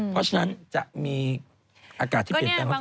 เพราะฉะนั้นจะมีอากาศที่เปลี่ยนแปลงลักษณะ